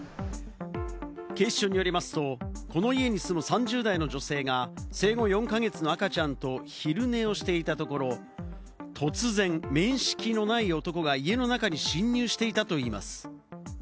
警視庁によりますと、この家に住む３０代の女性が生後４か月の赤ちゃんと昼寝をしていたところ、突然、面識のない男が家の中に侵入していたといいます。